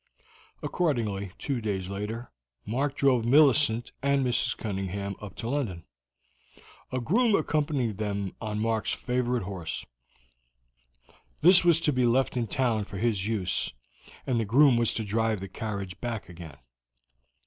Accordingly, two days later, Mark drove Millicent and Mrs. Cunningham up to London. A groom accompanied them on Mark's favorite horse. This was to be left in town for his use, and the groom was to drive the carriage back again.